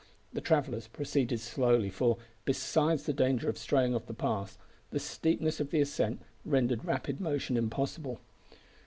The travellers proceeded slowly, for, besides the danger of straying off the path, the steepness of the ascent rendered rapid motion impossible.